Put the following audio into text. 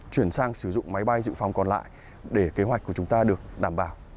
chuyển sang sử dụng máy bay dự phòng còn lại để kế hoạch của chúng ta được đảm bảo